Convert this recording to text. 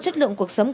chất lượng cuộc sống